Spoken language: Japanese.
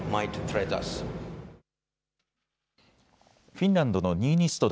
フィンランドのニーニスト